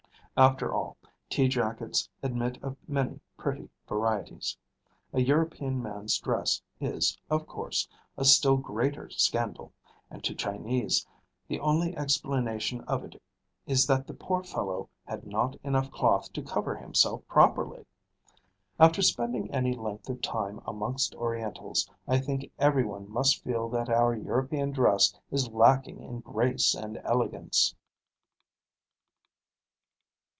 After all, tea jackets admit of many pretty varieties. A European man's dress is, of course, a still greater scandal; and to Chinese, the only explanation of it is that the poor fellow had not enough cloth to cover himself properly. After spending any length of time amongst Orientals, I think every one must feel that our European dress is lacking in grace and elegance.